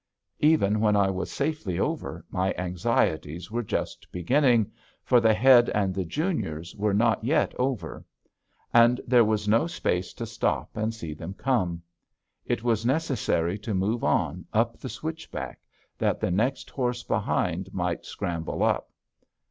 Even when I was safely over, my anxieties were just beginning. For the Head and the Juniors were not yet over. And there was no space to stop and see them come. It was necessary to move on up the switchback, that the next horse behind might scramble up.